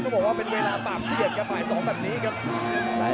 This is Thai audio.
ต้องบอกว่าเป็นเวลาตามเกียรติกับหมายสองแบบนี้ครับ